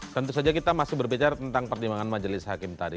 tentu saja kita masih berbicara tentang pertimbangan majelis hakim tadi